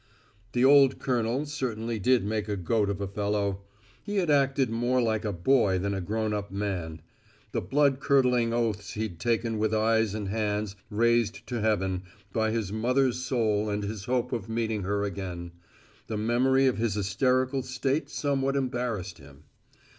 The old colonel certainly did make a goat of a fellow. He had acted more like a boy than a grown up man. The blood curdling oaths he'd taken with eyes and hands raised to heaven, by his mother's soul and his hope of meeting her again. The memory of his hysterical state somewhat embarrassed him.